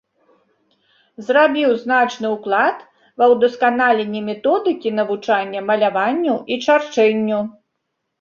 Зрабіў значны ўклад ва ўдасканаленне методыкі навучання маляванню і чарчэнню.